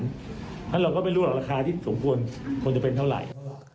เพราะฉะนั้นเราก็ไม่รู้หรอกราคาที่สมควรควรจะเป็นเท่าไหร่